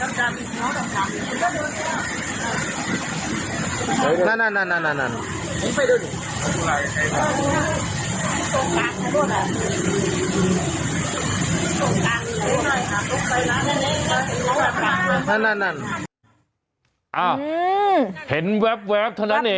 อ่านเดียวดูกันด้วยกันกันสมแล้วจับตาบอกกันให้ดี